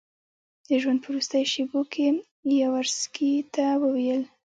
د ژوند په وروستیو شېبو کې یاورسکي ته وویل.